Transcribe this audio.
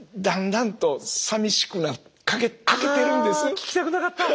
聞きたくなかった！